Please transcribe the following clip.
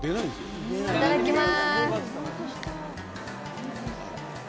いただきます。